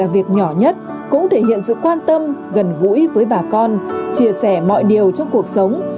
việc nhỏ nhất cũng thể hiện sự quan tâm gần gũi với bà con chia sẻ mọi điều trong cuộc sống